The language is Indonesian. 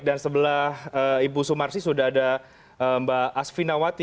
dan sebelah ibu sumarsih sudah ada mbak asvina wati